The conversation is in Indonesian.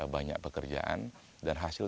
banyak pekerjaan dan hasil